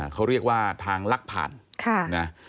เขาเรียกว่าทางลักผ่านนะ